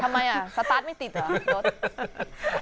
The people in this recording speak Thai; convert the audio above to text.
ทำไมอ่ะสตาร์ทไม่ติดเหรอ